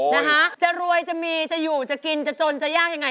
นะคะจะรวยจะมีจะอยู่จะกินจะจนจะยากยังไง